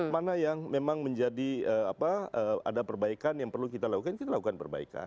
mana yang memang menjadi apa ada perbaikan yang perlu kita lakukan kita lakukan perbaikan